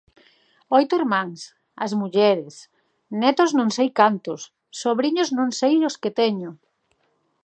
Oito irmáns, as mulleres, netos non sei cantos, sobriños non sei os que teño.